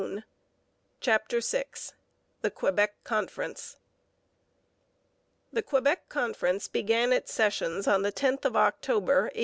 CHAPTER VI THE QUEBEC CONFERENCE The Quebec Conference began its sessions on the 10th of October 1864.